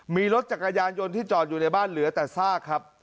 มีรถจักรยานยนต์ที่จอดอยู่ในบ้านเหลือแต่ซากครับ